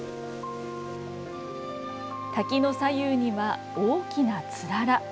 滝の左右には、大きなつらら。